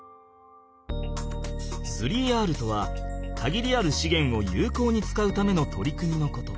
３Ｒとはかぎりあるしげんをゆうこうに使うための取り組みのこと。